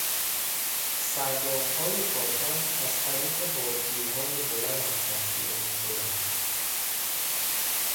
سردابهای کاشان از طریق بادگیریهای بلند تهویه میشدند.